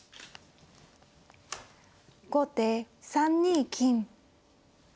後手３二金。